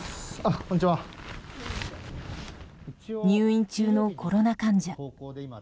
入院中のコロナ患者。